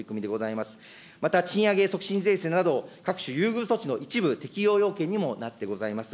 また賃上げ促進税制など、各種優遇措置の一部適用要件にもなっております。